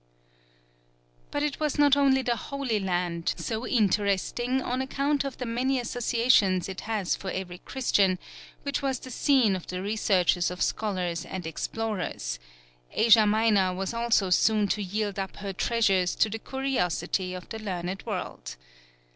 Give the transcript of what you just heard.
But it was not only the Holy Land, so interesting on account of the many associations it has for every Christian, which was the scene of the researches of scholars and explorers; Asia Minor was also soon to yield up her treasures to the curiosity of the learned world.